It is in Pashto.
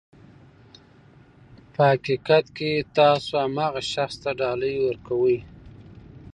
په حقیقت کې تاسو هماغه شخص ته ډالۍ ورکوئ.